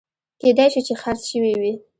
کېدای شي چې خرڅ شوي وي